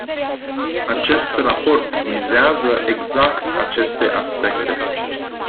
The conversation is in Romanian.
Acest raport vizează exact aceste aspecte.